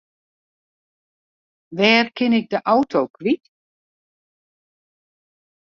Wêr kin ik de auto kwyt?